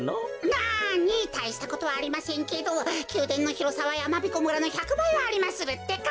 なにたいしたことはありませんけどきゅうでんのひろさはやまびこ村の１００ばいはありまするってか。